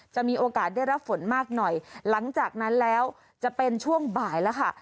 จะมีโอกาสได้รับฝนมากหน่อยหลังจากนั้นแล้วจะเป็นช่วงบ่ายแล้วค่ะ